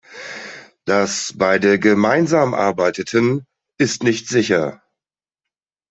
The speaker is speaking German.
Dass beide gemeinsam arbeiteten, ist nicht sicher.